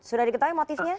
sudah diketahui motifnya